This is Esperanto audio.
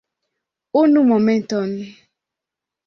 Unu momenton.